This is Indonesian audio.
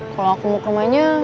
kalau aku mau ke rumahnya